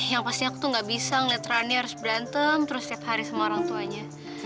yang pasti aku tuh gak bisa ngeliat runnie harus berantem terus setiap hari sama orang tuanya